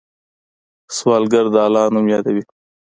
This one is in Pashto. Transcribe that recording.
سوالګر د الله نوم یادوي